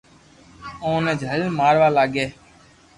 اوني جالين ماروا لاگي